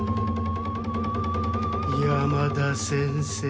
山田先生。